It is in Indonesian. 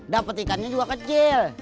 dapet ikannya juga kecil